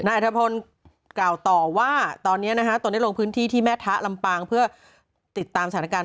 อัธพลกล่าวต่อว่าตอนนี้นะฮะตนได้ลงพื้นที่ที่แม่ทะลำปางเพื่อติดตามสถานการณ์